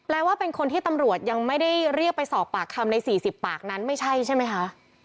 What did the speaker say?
ว่าเป็นคนที่ตำรวจยังไม่ได้เรียกไปสอบปากคำใน๔๐ปากนั้นไม่ใช่ใช่ไหมคะ